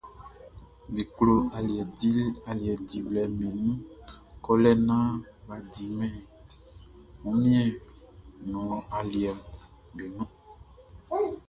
Be klo aliɛ diwlɛʼm be nun kɔlɛ naan bʼa di mɛn wunmuanʼn nun aliɛʼm be nun.